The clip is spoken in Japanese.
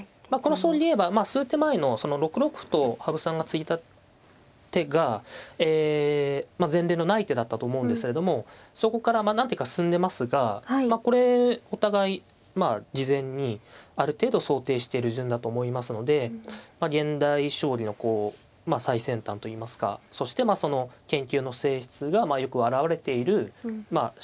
まあこの将棋で言えば数手前の６六歩と羽生さんが突いた手がえまあ前例のない手だったと思うんですけれどもそこから何手か進んでますがまあこれお互いまあ事前にある程度想定してる順だと思いますのでまあ現代将棋のこう最先端といいますかそしてまあその研究の性質がよく表れているまあ